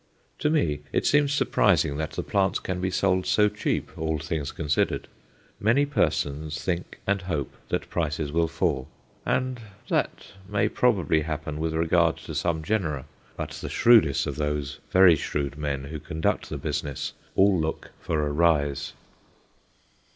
To me it seems surprising that the plants can be sold so cheap, all things considered. Many persons think and hope that prices will fall, and that may probably happen with regard to some genera. But the shrewdest of those very shrewd men who conduct the business all look for a rise.